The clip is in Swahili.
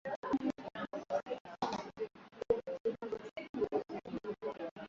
watu wazima kama mbinu ya kufuta ujinga